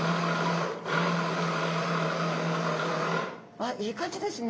あっいい感じですね。